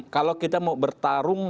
kalau kita mau bertarung